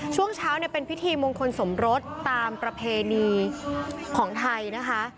ช่วงเช้าเป็นพิธีมงคลสมรสตามประเพณีของไทยนะคะ